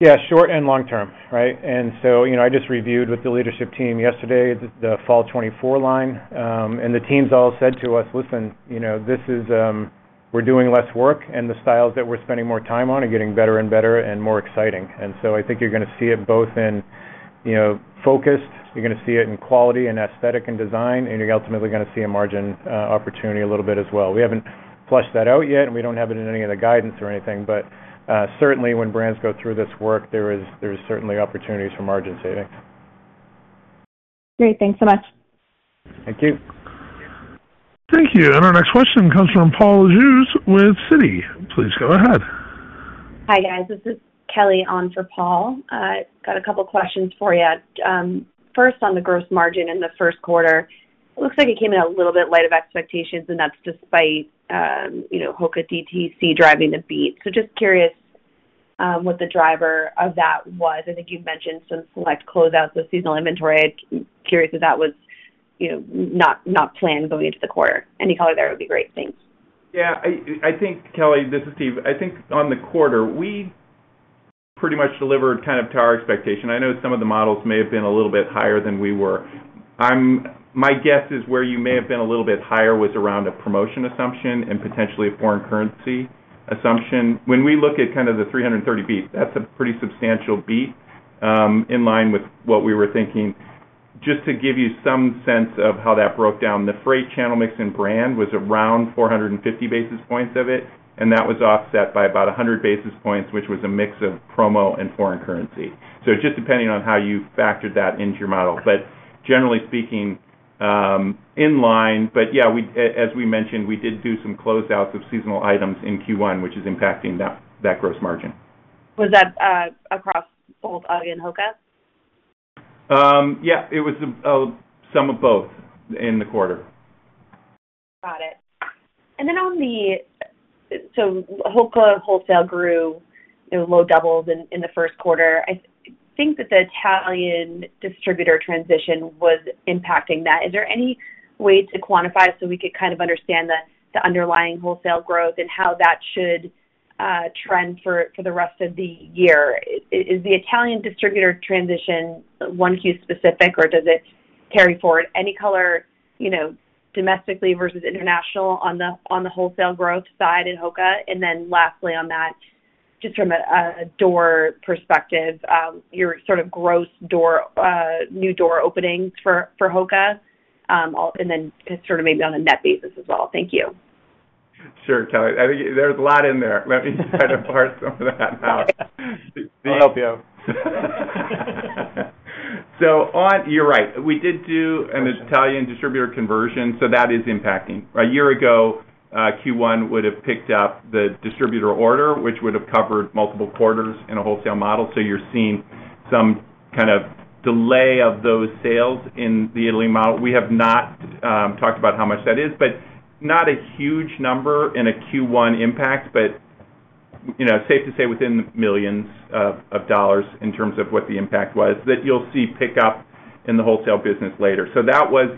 Yeah, short and long term, right? You know, I just reviewed with the leadership team yesterday, the fall 2024 line, and the teams all said to us: "Listen, you know, this is, we're doing less work, and the styles that we're spending more time on are getting better and better and more exciting." I think you're gonna see it both in, you know, focus, you're gonna see it in quality and aesthetic and design, and you're ultimately gonna see a margin opportunity a little bit as well. We haven't flushed that out yet, and we don't have it in any of the guidance or anything, but certainly, when brands go through this work, there is, there is certainly opportunities for margin savings. Great. Thanks so much. Thank you. Thank you. Our next question comes from Paul Lejuez with Citi. Please go ahead. Hi, guys. This is Kelly on for Paul. Got two questions for you. First, on the gross margin in the first quarter, it looks like it came in a little bit light of expectations, and that's despite, you know, HOKA DTC driving the beat. Just curious what the driver of that was. I think you've mentioned some select closeouts of seasonal inventory. I'm curious if that was, you know, not, not planned going into the quarter. Any color there would be great. Thanks. Yeah, I, I think, Kelly, this is Steve. I think on the quarter, we pretty much delivered kind of to our expectation. I know some of the models may have been a little bit higher than we were. My guess is where you may have been a little bit higher was around a promotion assumption and potentially a foreign currency assumption. When we look at kind of the $330 beat, that's a pretty substantial beat, in line with what we were thinking. Just to give you some sense of how that broke down, the freight channel mix and brand was around 450 basis points of it, and that was offset by about 100 basis points, which was a mix of promo and foreign currency. Just depending on how you factored that into your model. Generally speaking, in line, but yeah, we, as we mentioned, we did do some closeouts of seasonal items in Q1, which is impacting that, that gross margin. Was that across both UGG and HOKA? Yeah, it was, some of both in the quarter. Got it. On the... HOKA wholesale grew in low doubles in, in the first quarter. I think that the Italian distributor transition was impacting that. Is there any way to quantify so we could kind of understand the, the underlying wholesale growth and how that should trend for, for the rest of the year? Is the Italian distributor transition one hue specific, or does it carry forward any color, you know, domestically versus internationally on the, on the wholesale growth side in HOKA? Lastly, on that, just from a, a door perspective, your sort of gross door new door openings for, for HOKA, and then sort of maybe on a net basis as well. Thank you. Sure, Kelly. I think there's a lot in there. Let me try to parse some of that out. We'll help you. You're right. We did do an Italian distributor conversion, that is impacting. A year ago, Q1 would have picked up the distributor order, which would have covered multiple quarters in a wholesale model, so you're seeing some kind of delay of those sales in the Italy model. We have not talked about how much that is, but not a huge number in a Q1 impact, but, you know, safe to say, within millions of dollars in terms of what the impact was, that you'll see pick up in the wholesale business later. That was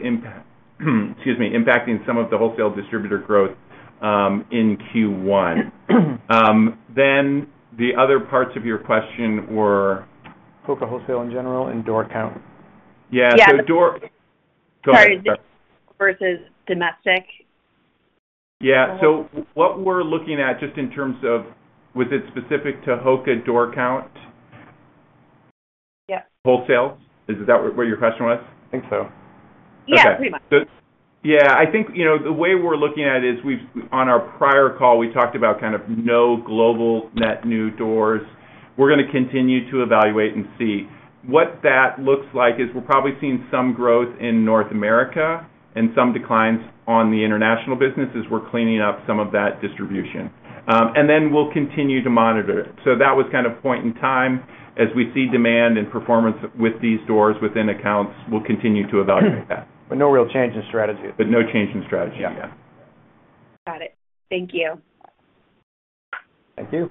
excuse me, impacting some of the wholesale distributor growth in Q1. The other parts of your question were? HOKA wholesale in general and door count. Yeah. Yeah. So door- Sorry. Go ahead. Versus domestic. Yeah. What we're looking at, just in terms of, was it specific to HOKA door count? Yes. Wholesale? Is that what your question was? I think so. Yeah, pretty much. Yeah, I think, you know, the way we're looking at it is, on our prior call, we talked about kind of no global net new doors. We're gonna continue to evaluate and see. What that looks like is we're probably seeing some growth in North America and some declines on the international business as we're cleaning up some of that distribution. Then we'll continue to monitor it. That was kind of point in time. As we see demand and performance with these doors within accounts, we'll continue to evaluate that. No real change in strategy? No change in strategy. Yeah. Yeah. Got it. Thank you. Thank you.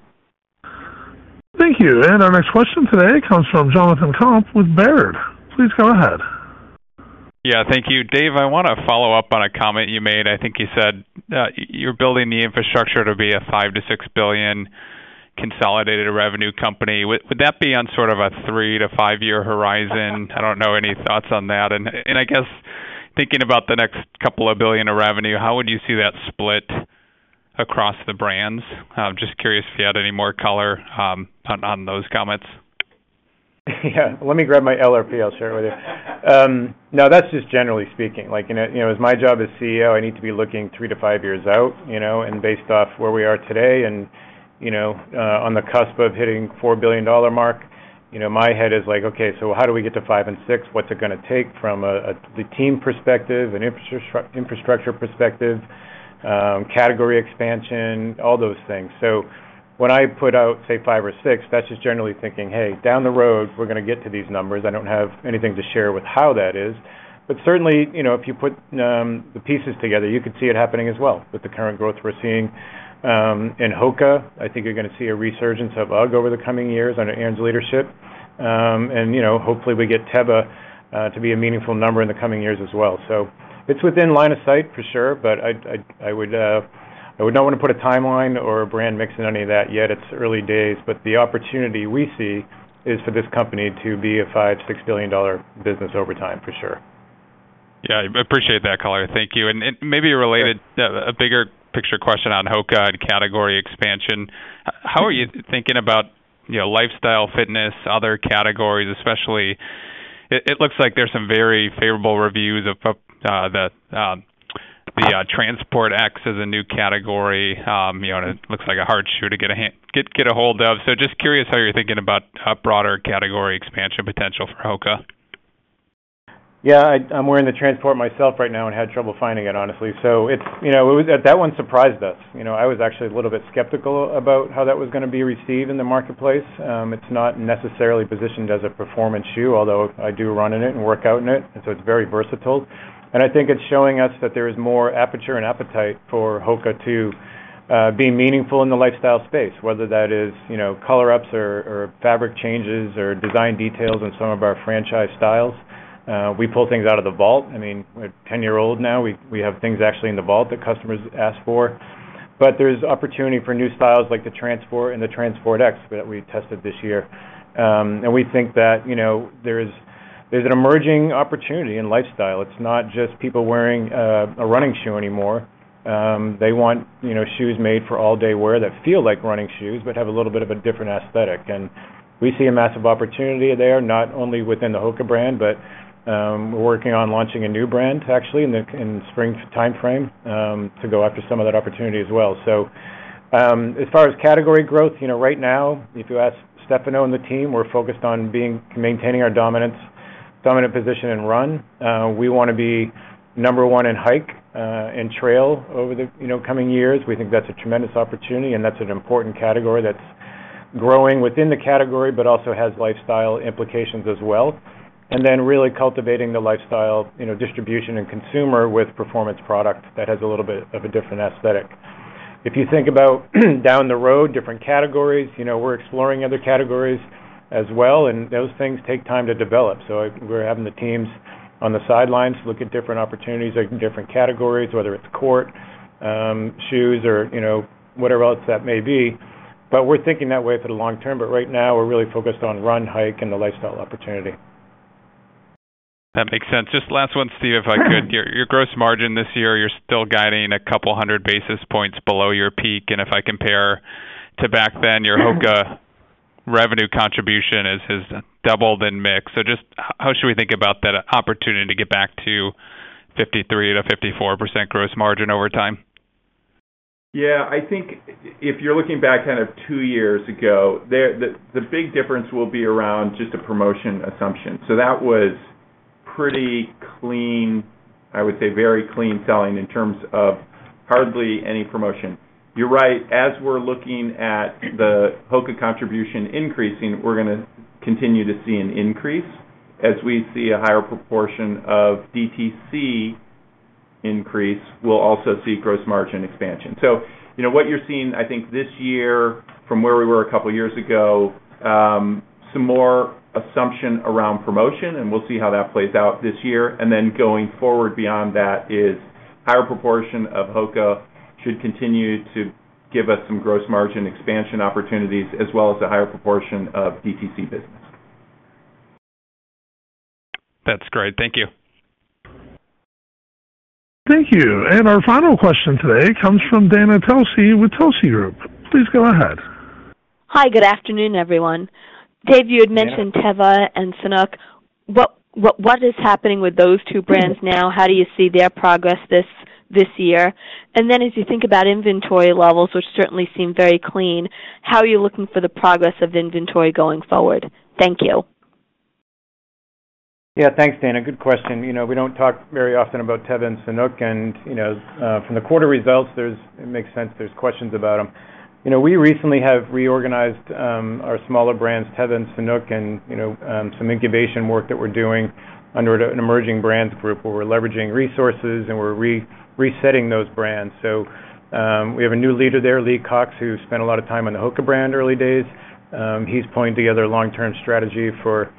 Thank you. Our next question today comes from Jonathan Komp with Baird. Please go ahead. Yeah, thank you. Dave, I want to follow up on a comment you made. I think you said, you're building the infrastructure to be a $5 billion-$6 billion consolidated revenue company. Would, would that be on sort of a three-five year horizon? I don't know any thoughts on that. I guess, thinking about the next couple of billion of revenue, how would you see that split across the brands? Just curious if you had any more color on, on those comments. Yeah. Let me grab my LRP, I'll share it with you. No, that's just generally speaking. Like, you know, as my job as CEO, I need to be looking three to five years out, you know, and based off where we are today and, you know, on the cusp of hitting $4 billion mark, you know, my head is like, okay, so how do we get to $5 billion and $6 billion? What's it gonna take from a, a, the team perspective, an infrastructure perspective, category expansion, all those things. When I put out, say, $5 billion or $6 billion, that's just generally thinking, Hey, down the road, we're gonna get to these numbers. I don't have anything to share with how that is, but certainly, you know, if you put the pieces together, you could see it happening as well. With the current growth we're seeing, in HOKA, I think you're gonna see a resurgence of UGG over the coming years under Anne leadership. You know, hopefully, we get Teva to be a meaningful number in the coming years as well. It's within line of sight, for sure, but I'd, I would, I would not want to put a timeline or a brand mix in any of that yet. It's early days, the opportunity we see is for this company to be a $5 billion-$6 billion business over time, for sure. Yeah, I appreciate that color. Thank you. Maybe a related, a bigger picture question on HOKA and category expansion. How are you thinking about, you know, lifestyle, fitness, other categories, especially? It looks like there's some very favorable reviews of the Transport X as a new category. You know, and it looks like a hard shoe to get a hold of. Just curious how you're thinking about a broader category expansion potential for HOKA. Yeah, I'm wearing the Transport myself right now and had trouble finding it, honestly. It's. You know, that one surprised us. You know, I was actually a little bit skeptical about how that was gonna be received in the marketplace. It's not necessarily positioned as a performance shoe, although I do run in it and work out in it, and so it's very versatile. I think it's showing us that there is more aperture and appetite for HOKA to be meaningful in the lifestyle space, whether that is, you know, color ups or fabric changes or design details in some of our franchise styles. We pull things out of the vault. I mean, we're 10 year old now. We, we have things actually in the vault that customers ask for, but there's opportunity for new styles like the Transport and the Transport X that we tested this year. We think that, you know, there's, there's an emerging opportunity in lifestyle. It's not just people wearing a running shoe anymore. They want, you know, shoes made for all-day wear that feel like running shoes, but have a little bit of a different aesthetic. We see a massive opportunity there, not only within the HOKA brand, but we're working on launching a new brand, actually, in the, in spring timeframe, to go after some of that opportunity as well. As far as category growth, you know, right now, if you ask Stefano and the team, we're focused on maintaining our dominance, dominant position in run. We wanna be number 1 in hike and trail over the, you know, coming years. We think that's a tremendous opportunity, and that's an important category that's growing within the category, but also has lifestyle implications as well. Really cultivating the lifestyle, you know, distribution and consumer with performance product that has a little bit of a different aesthetic. If you think about down the road, different categories, you know, we're exploring other categories as well, and those things take time to develop. We're having the teams on the sidelines look at different opportunities or different categories, whether it's court shoes or, you know, whatever else that may be. We're thinking that way for the long term. Right now we're really focused on run, hike, and the lifestyle opportunity. That makes sense. Just last one, Steve, if I could. Your, your gross margin this year, you're still guiding a 200 basis points below your peak, and if I compare to back then, your HOKA revenue contribution is, is doubled in mix. Just how should we think about that opportunity to get back to 53%-54% gross margin over time? Yeah, I think if you're looking back kind of two years ago, the, the, the big difference will be around just a promotion assumption. That was pretty clean. I would say very clean selling in terms of hardly any promotion. You're right, as we're looking at the HOKA contribution increasing, we're gonna continue to see an increase. As we see a higher proportion of DTC increase, we'll also see gross margin expansion. You know, what you're seeing, I think, this year from where we were a couple of years ago, some more assumption around promotion, and we'll see how that plays out this year. Going forward beyond that is, higher proportion of HOKA should continue to give us some gross margin expansion opportunities, as well as a higher proportion of DTC business. That's great. Thank you. Thank you. Our final question today comes from Dana Telsey with Telsey Group. Please go ahead. Hi, good afternoon, everyone. Dave, you had mentioned Teva and Sanuk. What is happening with those two brands now? How do you see their progress this year? As you think about inventory levels, which certainly seem very clean, how are you looking for the progress of inventory going forward? Thank you. Yeah, thanks, Dana. Good question. You know, we don't talk very often about Teva and Sanuk, and, you know, from the quarter results, there's, it makes sense there's questions about them. You know, we recently have reorganized, our smaller brands, Teva and Sanuk, and, you know, some incubation work that we're doing under an emerging brand group, where we're leveraging resources and we're re-resetting those brands. We have a new leader there, Lee Cox, who spent a lot of time on the HOKA brand early days. He's pulling together a long-term strategy for,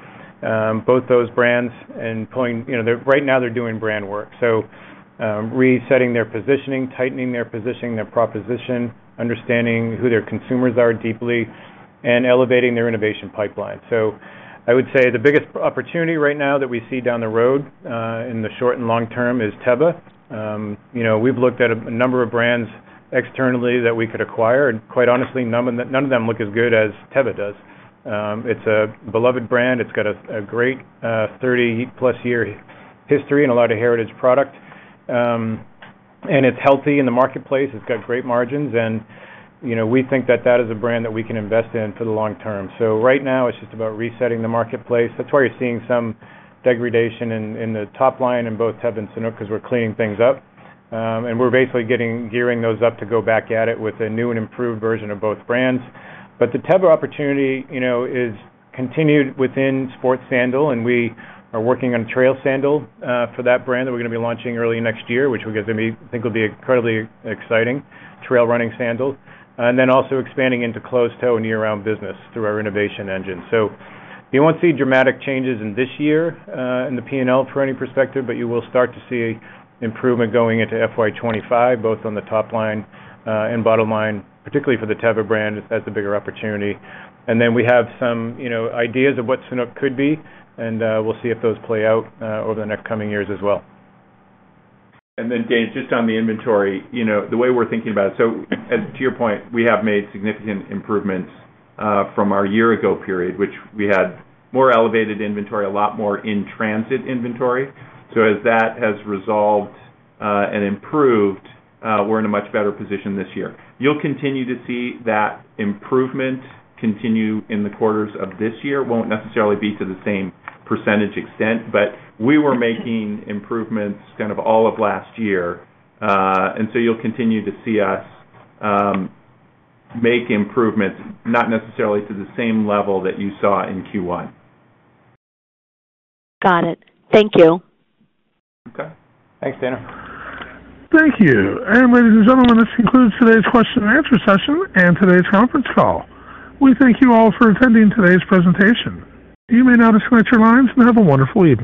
both those brands and pulling. You know, they're right now they're doing brand work, so, resetting their positioning, tightening their positioning, their proposition, understanding who their consumers are deeply, and elevating their innovation pipeline. I would say the biggest opportunity right now that we see down the road, in the short and long term is Teva. You know, we've looked at a number of brands externally that we could acquire, and quite honestly, none of them, none of them look as good as Teva does. It's a beloved brand. It's got a, a great, 30-plus year history and a lot of heritage product. It's healthy in the marketplace. It's got great margins, and, you know, we think that that is a brand that we can invest in for the long term. Right now, it's just about resetting the marketplace. That's why you're seeing some degradation in, in the top line in both Teva and Sanuk, because we're cleaning things up. We're basically gearing those up to go back at it with a new and improved version of both brands. The Teva opportunity, you know, is continued within sports sandal, and we are working on a trail sandal for that brand that we're gonna be launching early next year, which we think will be incredibly exciting, trail running sandal. Then also expanding into closed-toe and year-round business through our innovation engine. You won't see dramatic changes in this year in the P&L trending perspective, but you will start to see improvement going into FY 2025, both on the top line and bottom line, particularly for the Teva brand. That's a bigger opportunity. Then we have some, you know, ideas of what Sanuk could be, and we'll see if those play out over the next coming years as well. Then, Dana, just on the inventory, you know, the way we're thinking about it, as to your point, we have made significant improvements, from our year ago period, which we had more elevated inventory, a lot more in-transit inventory. As that has resolved, and improved, we're in a much better position this year. You'll continue to see that improvement continue in the quarters of this year. Won't necessarily be to the same percentage extent, but we were making improvements kind of all of last year. You'll continue to see us, make improvements, not necessarily to the same level that you saw in Q1. Got it. Thank you. Okay. Thanks, Dana. Thank you. Ladies and gentlemen, this concludes today's question and answer session and today's conference call. We thank you all for attending today's presentation. You may now disconnect your lines and have a wonderful evening.